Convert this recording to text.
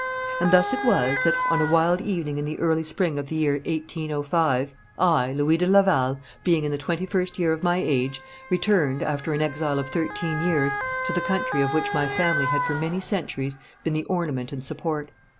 And thus it was that, on a wild evening in the early spring of the year 1805, I, Louis de Laval, being in the twenty first year of my age, returned, after an exile of thirteen years, to the country of which my family had for many centuries been the ornament and support.